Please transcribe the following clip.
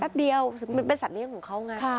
เดียวมันเป็นสัตเลี้ยงของเขาไง